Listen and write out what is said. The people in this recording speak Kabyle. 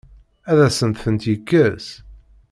Ad asen-tent-yekkes?